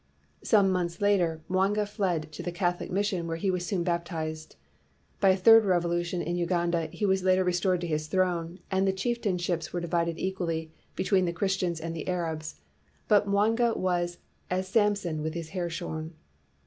Some months later, Mwanga fled to the Catholic mission where he was soon baptized. By a third revolution in Uganda, he was later restored to his throne, and the chieftain ships were divided equally between the Christians and Arabs; but Mwanga was as Samson with his hair shorn.